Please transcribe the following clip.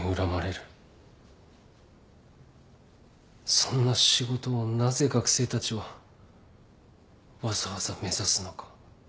そんな仕事をなぜ学生たちはわざわざ目指すのか。